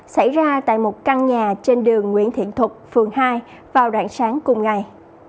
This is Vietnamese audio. xảy ra tại một căn nhà trên đường nguyễn thiện thuật phường hai vào rạng sáng cùng ngày